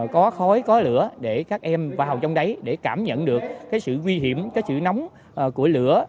có khói có lửa để các em vào trong đấy để cảm nhận được sự nguy hiểm sự nóng của lửa